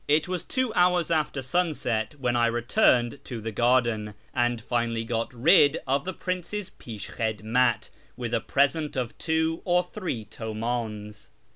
It was two hours after sunset when I returned to the garden, and finally got rid of the prince's jpishkkiclmat with a present of two or three Uimdns.